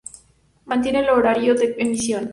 Mantiene el horario de emisión.